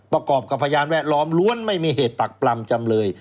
ประกอบกับพยานแวดล้อมล้วนไม่มีเหตุปักปรำจำเลย